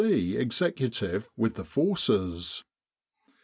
C. exe cutive with the Forces.